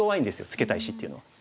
ツケた石っていうのは。